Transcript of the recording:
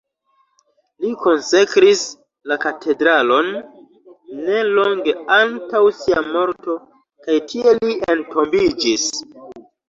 Li konsekris la katedralon ne longe antaŭ sia morto, kaj tie li entombiĝis.